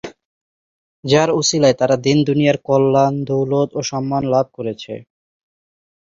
যার উসিলায় তারা দীন দুনিয়ার কল্যাণ, দৌলত ও সম্মান লাভ করেছে।